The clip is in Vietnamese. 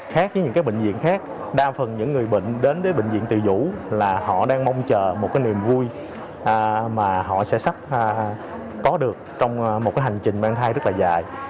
khác với những bệnh viện khác đa phần những người bệnh đến với bệnh viện từ dũ là họ đang mong chờ một niềm vui mà họ sẽ sắp có được trong một cái hành trình mang thai rất là dài